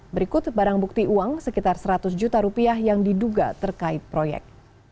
berikut barang bukti uang sekitar seratus juta rupiah yang diduga terkait proyek